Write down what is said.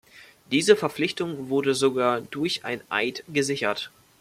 Diese Verpflichtung wurde sogar durch einen Eid gesichert.